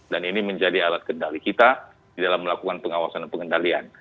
dan ini menjadi alat kendali kita dalam melakukan pengawasan dan pengendalian